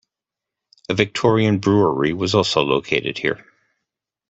A Victorian brewery was also located here.